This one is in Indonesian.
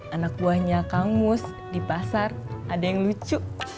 anak buahnya kang mus di pasar ada yang lucu